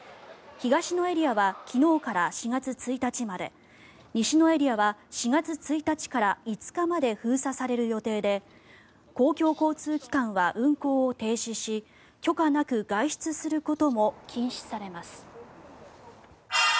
東のエリアは昨日から４月１日まで西のエリアは４月１日から５日まで封鎖される予定で公共交通機関は運行を停止し許可なく外出することも禁止されます。